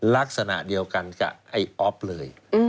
ลักษณะเดียวกันกับไอ้อ๊อฟเลย